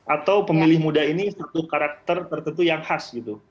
atau pemilih muda ini satu karakter tertentu yang khas gitu